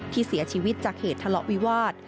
ที่เสียชีวิตจากเหตุทะเลาะวิวาส